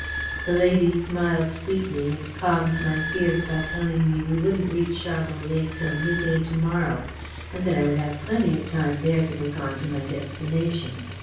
The lady smiled sweetly, and calmed my fears by telling me we wouldn't reach Sharbot Lake till mid day to morrow, and that I would have plenty of time there to book on to my destination.